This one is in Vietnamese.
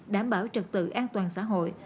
đảm bảo trật tự an toàn xã hội